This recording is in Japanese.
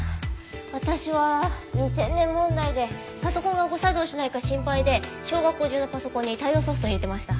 私は２０００年問題でパソコンが誤作動しないか心配で小学校中のパソコンに対応ソフト入れてました。